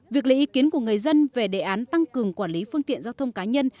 việc lấy ý kiến của người dân về đề án tăng cường quản lý phương tiện giao thông cá nhân